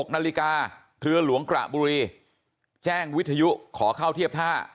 ๖นาฬิกาเรือหลวงกระบุรีแจ้งวิทยุขอเข้าเทียบท่า